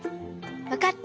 わかった！